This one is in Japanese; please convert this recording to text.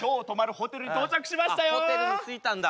ホテルに着いたんだ。